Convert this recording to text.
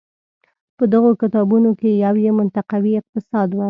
په دغو کتابونو کې یو یې منطقوي اقتصاد و.